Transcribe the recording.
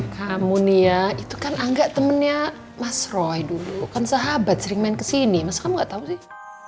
kamu nih ya itu kan angga temennya mas roy dulu kan sahabat sering main kesini masa nggak tahu sih